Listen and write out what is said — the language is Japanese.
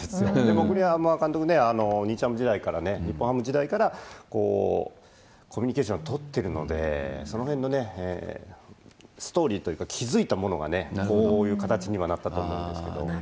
僕、栗山監督ね、日ハム時代から、日本ハム時代から、コミュニケーションは取ってるんで、そのへんのストーリーというか、築いたものがね、こういう形になったと思うんですけど。